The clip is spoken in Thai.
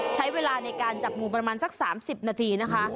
ใช้เวลาในการจับงูประมาณสัก๓๐นาทีนะคะ